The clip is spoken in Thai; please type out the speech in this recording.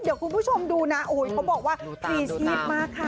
เดี๋ยวคุณผู้ชมดูนะเขาบอกว่าฟรีชีพมากค่ะ